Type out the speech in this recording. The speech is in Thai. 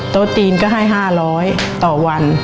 โต๊ะจีนก็ให้๕๐๐ต่อวัน